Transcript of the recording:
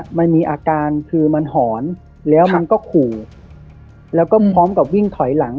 มันมีอาการคือมันหอนแล้วมันก็ขู่แล้วก็พร้อมกับวิ่งถอยหลัง